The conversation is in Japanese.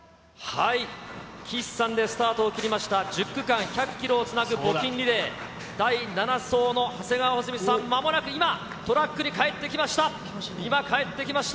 岸さんでスタートを切りました、１０区間１００キロをつなぐ募金リレー、第７走の長谷川穂積さん、まもなく今、トラックに帰ってきました。